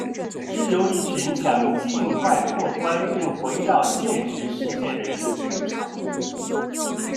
是由一群想尽快破关并回到现实世界的人组成。